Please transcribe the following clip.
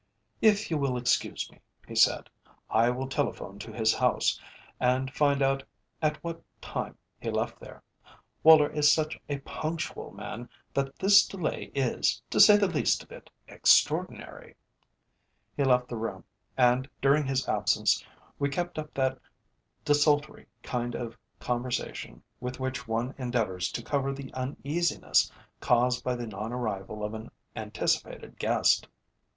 "If you will excuse me," he said, "I will telephone to his house, and find out at what time he left there. Woller is such a punctual man that this delay is, to say the least of it, extraordinary." He left the room, and during his absence we kept up that desultory kind of conversation with which one endeavours to cover the uneasiness caused by the non arrival of an anticipated guest.